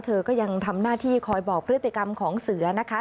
เธอก็ยังทำหน้าที่คอยบอกพฤติกรรมของเสือนะคะ